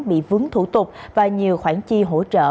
bị vướng thủ tục và nhiều khoản chi hỗ trợ